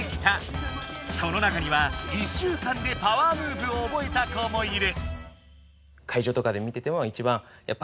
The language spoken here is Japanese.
その中には１週間でパワームーブをおぼえた子もいる！